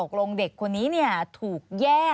ควิทยาลัยเชียร์สวัสดีครับ